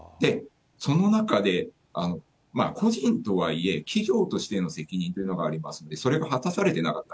その中で、個人とはいえ企業としての責任というのがありますので、それが果たされてなかった。